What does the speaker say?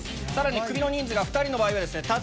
さらにクビの人数が２人の場合はですね